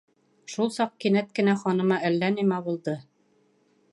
Шул саҡ кинәт кенә ханыма әллә нәмә булды.